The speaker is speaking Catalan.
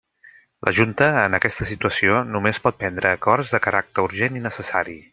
La Junta, en aquesta situació, només pot prendre acords de caràcter urgent i necessari.